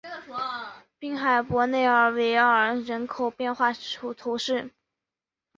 滨海伯内尔维尔人口变化图示